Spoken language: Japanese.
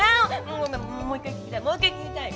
もう一回聞きたい！